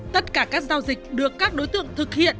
tất cả các giao dịch được các đối tượng thực hiện